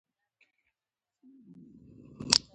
غږ، ږغ، غوَږ، ځوږ، شپږ، شږ، لږ، خوږ، خُوږ، سږ، سږی، ږېره، کوږ،